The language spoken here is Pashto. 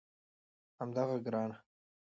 همدغه ګرانه